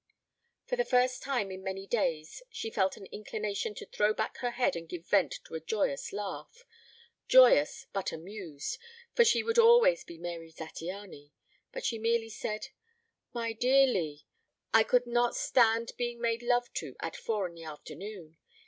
For the first time in many days she felt an inclination to throw back her head and give vent to a joyous laugh joyous but amused, for she would always be Mary Zattiany. But she merely said: "My dear Lee, I could not stand being made love to at four in the afternoon.